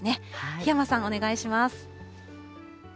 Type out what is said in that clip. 檜山さん、お願いします。